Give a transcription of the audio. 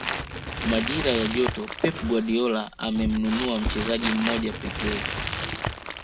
majira ya joto pep guardiola amemnunua mchezaji mmoja pekee